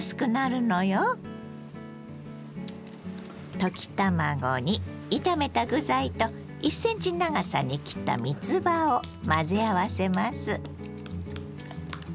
溶き卵に炒めた具材と１ｃｍ長さに切ったみつばを混ぜ合わせます。